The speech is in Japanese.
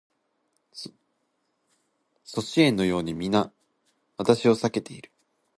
阻止円のように皆私を避けている